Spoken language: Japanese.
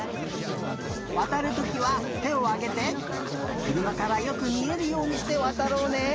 わたるときはてをあげてくるまからよくみえるようにしてわたろうね。